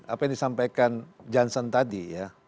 apa yang disampaikan johnson tadi ya